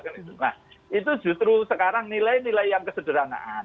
nah itu justru sekarang nilai nilai yang kesederhanaan